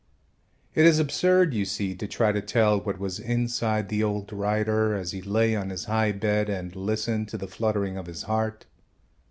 It is absurd, you see, to try to tell what was inside the old writer as he lay on his high bed and listened to the fluttering of his heart.